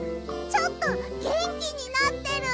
ちょっとげんきになってる！